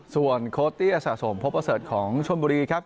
ส่วนโคลตี้อาสะสมโพปเซิร์ตของชมบุรีครับ